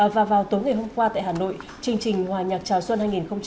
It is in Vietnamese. và vào tối ngày hôm qua tại hà nội chương trình hòa nhạc chào xuân hai nghìn hai mươi